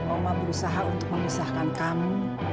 omah berusaha untuk mengusahakan kamu